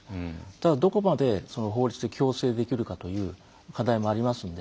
ただ、どこまで法律で矯正できるかという課題もありますので。